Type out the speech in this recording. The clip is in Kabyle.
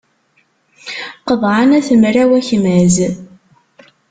Qeḍɛen At Mraw akmaz.